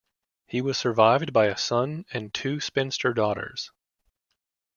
He was survived by a son and two spinster daughters.